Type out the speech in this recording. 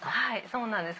そうなんです